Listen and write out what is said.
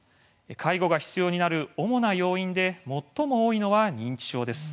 介護が必要になる主な要因で最も多いのは認知症です。